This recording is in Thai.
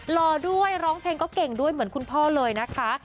รอด้วยร้องเพลงก็เก่งด้วยเหมือนคุณพ่อเลยนะคะ